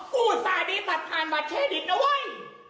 กูสาดิบตัดผ่านบัตรเครดิตน่ะเอ๊ย